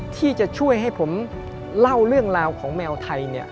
ที่จะช่วยให้ผมเล่าเรื่องราวของแมวไทย